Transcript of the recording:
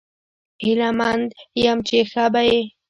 هیله مند یم چې ښه به یې